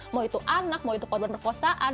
mau itu anak mau itu korban perkosaan